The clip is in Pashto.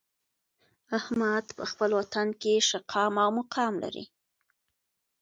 احمد په خپل وطن کې ښه قام او مقام لري.